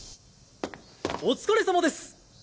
お疲れさまです！